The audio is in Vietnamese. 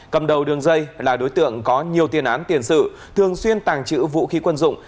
cầm đầu đường dây là đối tượng có nhiều tiền án tiền sự thường xuyên tàng trữ vũ khí quân dụng